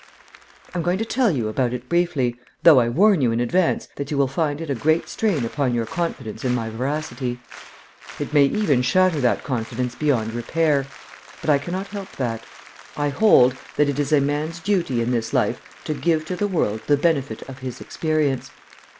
I'm going to tell you about it briefly, though I warn you in advance that you will find it a great strain upon your confidence in my veracity. It may even shatter that confidence beyond repair; but I cannot help that. I hold that it is a man's duty in this life to give to the world the benefit of his experience.